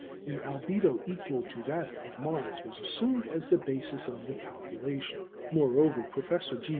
An albedo equal to that of Mars was assumed as the basis of the calculation. Moreover, Professor G.